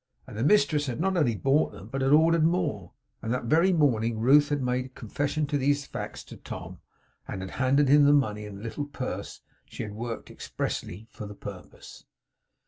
And the mistress had not only bought them, but had ordered more, and that very morning Ruth had made confession of these facts to Tom, and had handed him the money in a little purse she had worked expressly for the purpose.